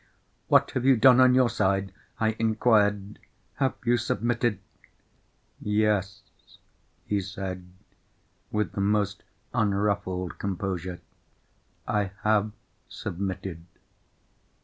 "What have you done on your side?" I inquired. "Have you submitted." "Yes," he said with the most unruffled composure, "I have submitted."